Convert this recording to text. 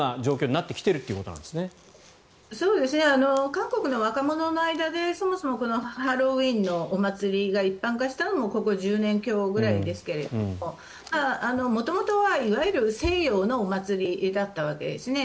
韓国の若者の間でそもそもハロウィーンのお祭りが一般化したのもここ１０年強くらいですけど元々はいわゆる西洋のお祭りだったわけですね。